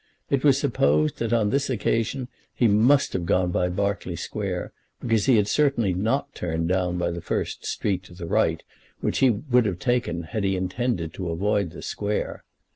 It was supposed that on this occasion he must have gone by Berkeley Square, because he had certainly not turned down by the first street to the right, which he would have taken had he intended to avoid the square.